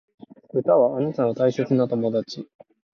歌はあなたの大切な友達